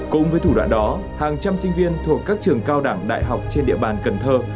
cùng với thủ đoạn đó hàng trăm sinh viên thuộc các trường cao đẳng đại học trên địa bàn cần thơ